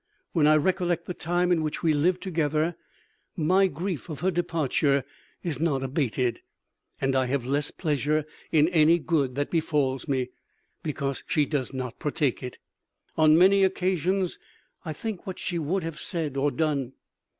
When I recollect the time in which we lived together, my grief of her departure is not abated; and I have less pleasure in any good that befalls me, because she does not partake it. On many occasions, I think what she would have said or done.